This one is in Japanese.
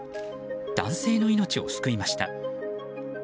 男性の命を救いました。